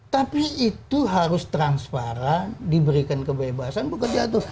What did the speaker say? tapi itu harus transparan diberikan kebebasan bukan jatuh